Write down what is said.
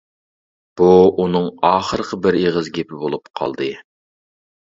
بۇ ئۇنىڭ ئاخىرقى بىر ئېغىز گېپى بولۇپ قالدى.